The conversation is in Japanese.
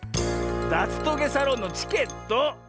だつトゲサロンのチケット！